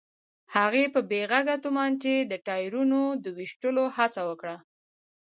هغې په بې غږه تومانچې د ټايرونو د ويشتلو هڅه وکړه.